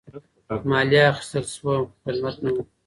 مالیه اخیستل شوه خو خدمت نه وو.